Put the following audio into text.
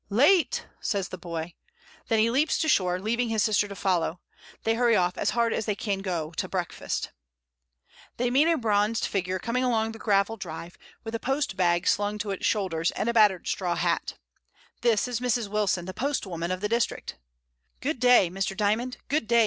"Late!" says the boy. Then he leaps to shore, leaving his sister to follow, and they hurry ofl" as hard as they can go to breakfast. They meet a bronzed figure coming along the gravel drive, with a post bag slung to its shoulders, and a battered straw hat This is Mrs. Wilson, the postwoman of the district "Good day, Mr. Dymond! good day.